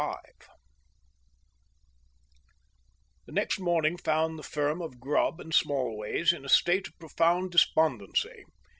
3 The next morning found the firm of Grubb & Smallways in a state of profound despondency.